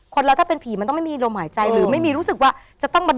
เราถ้าเป็นผีมันต้องไม่มีลมหายใจหรือไม่มีรู้สึกว่าจะต้องมา